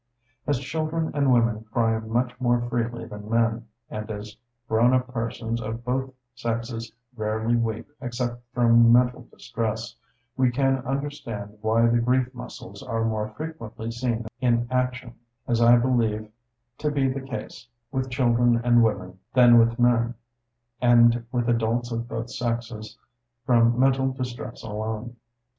As children and women cry much more freely than men, and as grown up persons of both sexes rarely weep except from mental distress, we can understand why the grief muscles are more frequently seen in action, as I believe to be the case, with children and women than with men; and with adults of both sexes from mental distress alone.